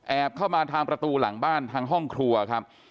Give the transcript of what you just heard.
เข้ามาทางประตูหลังบ้านทางห้องครัวครับ